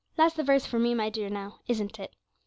That's the verse for me, my dear, now, isn't it?'